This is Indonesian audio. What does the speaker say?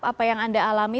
apa yang anda alami